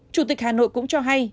chủ tịch hà nội cũng cho hay